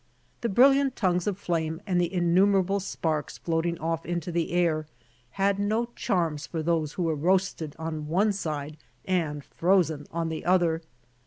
The brilliant tongues of flame and the innumerable sparks floating off into the air, had no charms for those who were roasted on one side and frozen on the other.